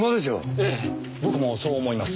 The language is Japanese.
ええ僕もそう思います。